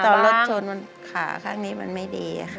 ตอนรถชนขาข้างนี้มันไม่ดี